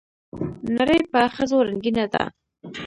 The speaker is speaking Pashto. نړۍ په ښځو رنګينه ده